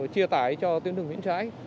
chia tải cho tuyến đường miễn trãi